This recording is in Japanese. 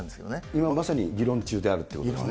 今まさに議論中であるということですよね。